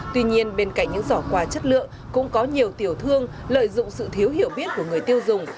tuy nhiên bên cạnh những giỏ quà chất lượng cũng có nhiều tiểu thương lợi dụng sự thiếu hiểu biết của người tiêu dùng